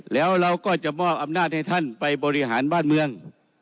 แล้วเราก็จะมอบอำนาจให้ท่านไปบริหารบ้านเมือง